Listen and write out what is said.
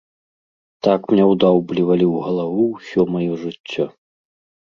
Так мне ўдаўблівалі ў галаву ўсё маё жыццё.